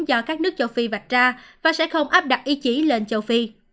do các nước châu phi vạch ra và sẽ không áp đặt ý chí lên châu phi